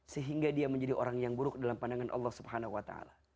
sehingga dia menjadi orang yang buruk dalam pandangan allah swt